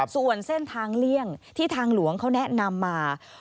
ส่วนเส้นทางเลี่ยงที่ทางหลวงเขาแนะนำมา